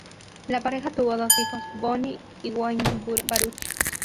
La pareja tuvo dos hijos: Bonnie y Wayne Baruch.